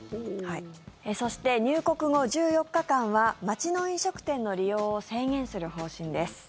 そして、入国後１４日間は街の飲食店の利用を制限する方針です。